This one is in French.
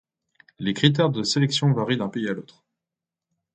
Les critères de sélection varient d'un pays à l'autre.